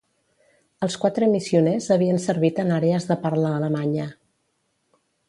Els quatre missioners havien servit en àrees de parla alemanya.